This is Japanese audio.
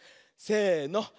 せの。